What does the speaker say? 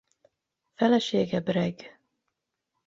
Felesége Breg.